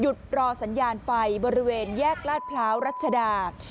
รอสัญญาณไฟบริเวณแยกลาดพร้าวรัชดา